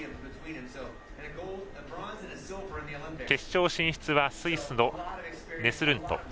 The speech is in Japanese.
決勝進出はスイスのネスルント。